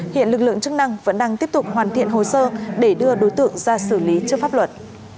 hiện lực lượng chức năng vẫn đang tiếp tục hoàn thiện hồ sơ để đưa đối tượng ra xử lý trước pháp luật